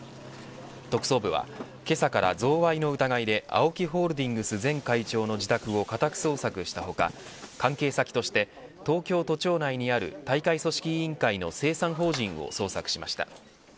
特捜部は、けさから贈賄の疑いでＡＯＫＩホールディングス前会長の自宅を家宅捜索した他関係先として東京都庁内にある大会組織委員会の清算法人を捜索しました。